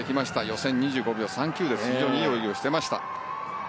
予選２５秒３９で非常にいい泳ぎをしてました。